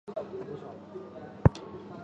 儿子朱健杙被册封为世孙。